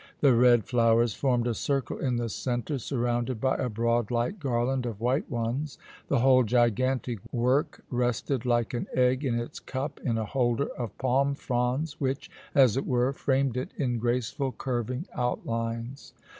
The red flowers formed a circle in the centre, surrounded by a broad light garland of white ones. The whole gigantic work rested like an egg in its cup in a holder of palm fronds which, as it were, framed it in graceful curving outlines.